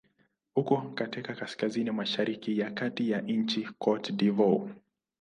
Uko katika kaskazini-mashariki ya kati ya nchi Cote d'Ivoire.